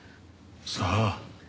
さあ。